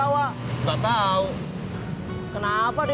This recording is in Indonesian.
loh apa ini